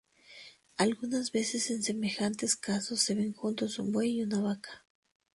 Algunas veces en semejantes casos se ven juntos un buey y una vaca.